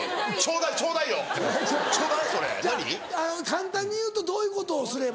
簡単に言うとどういうことをすれば？